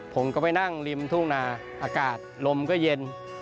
ผมก็ไปนั่งริมทุ่งนาอากาศลมก็เย็น